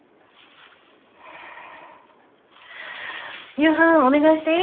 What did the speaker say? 夕飯お願いしていい？